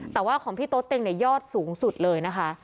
แต่ว่าของพี่โต๊เต็งเนี่ยยอดสูงสุดเลยนะคะ